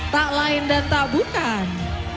tak lain dan tak bukan